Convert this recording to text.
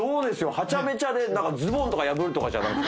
はちゃめちゃでズボンとか破るとかじゃなくて。